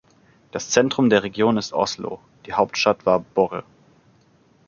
Das Zentrum der Region ist Oslo, die Hauptstadt war Borre.